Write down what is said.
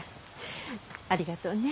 ありがとうね。